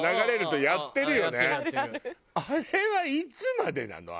あれはいつまでなの？